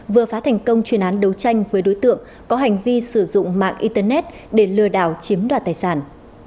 vừa phá thành công chuyên án đấu tranh với đối tượng có hành vi sử dụng mạng internet để lừa đảo chiếm đoạt tài sản